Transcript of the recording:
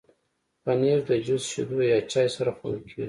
پنېر د جوس، شیدو یا چای سره خوړل کېږي.